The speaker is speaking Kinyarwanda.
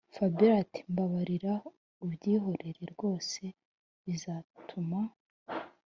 fabiora ati”mbabarira ubyihorere rwose bitazatuma